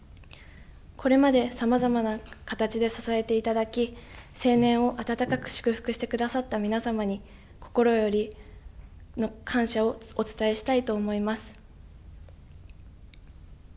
これまでさまざまな形で支えていただき成年を温かく祝福してくださった皆様に心よりの感謝をお伝えしたいと思います。